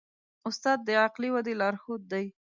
استاد د عقلي ودې لارښود دی.